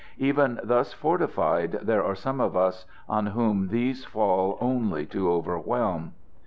Even thus fortified, there are some of us on whom these fall only to overwhelm.